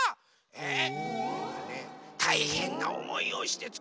えっ！